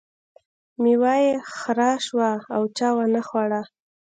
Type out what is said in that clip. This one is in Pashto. میوه یې خره شوه او چا ونه خوړه.